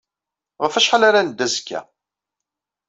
Ɣef wacḥal ara neddu azekka?